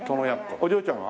お嬢ちゃんは？